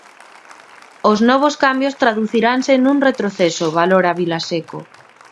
Os novos cambios traduciranse "nun retroceso", valora Vilaseco.